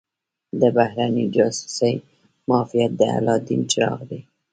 د بهرنۍ جاسوسۍ معافیت د الله دین چراغ دی.